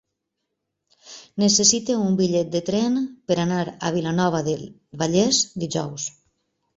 Necessito un bitllet de tren per anar a Vilanova del Vallès dijous.